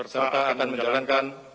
serta akan menjalankan